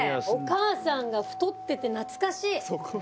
お母さんが太ってて懐かしい。